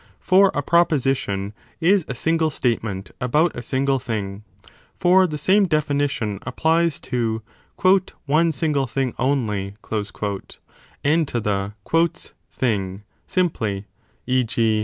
For a proposition is a single state ment about a single thing. For the same definition applies to one single thing only and to the thing , simply, e. g.